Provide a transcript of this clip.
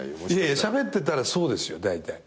しゃべってたらそうですよだいたい。